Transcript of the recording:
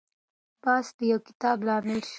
بحث د يو کتاب لامل شو.